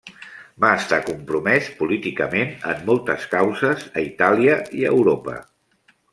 Va estar compromès políticament en moltes causes a Itàlia i a Europa.